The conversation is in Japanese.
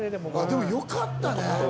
でもよかったね！